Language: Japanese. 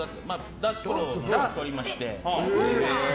ダーツプロをやっておりまして。